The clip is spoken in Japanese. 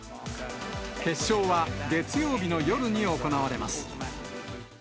決勝は、月曜日の夜に行われます。